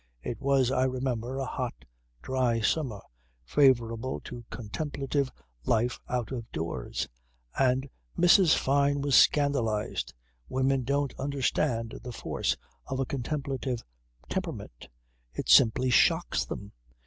It was, I remember, a hot dry summer, favourable to contemplative life out of doors. And Mrs. Fyne was scandalized. Women don't understand the force of a contemplative temperament. It simply shocks them.